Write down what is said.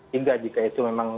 hingga jika itu memang